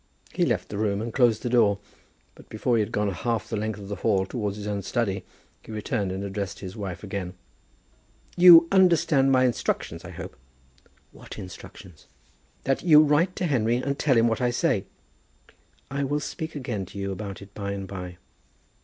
He left the room and closed the door, but, before he had gone half the length of the hall towards his own study, he returned and addressed his wife again. "You understand my instructions, I hope?" "What instructions?" "That you write to Henry and tell him what I say." "I will speak again to you about it by and by."